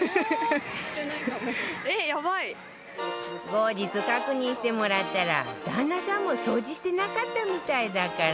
後日確認してもらったら旦那さんも掃除してなかったみたいだから